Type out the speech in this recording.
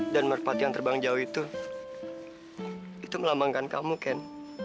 dan merpati yang terbang jauh itu itu melambangkan kamu ken